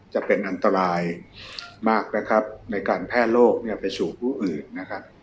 จะเป็นอันตรายมากในการแพร่โรคไปสู่ผู้อื่น